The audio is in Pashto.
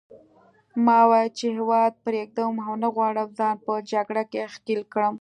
ما وویل چې هیواد پرېږدم او نه غواړم ځان په جګړه کې ښکېل کړم.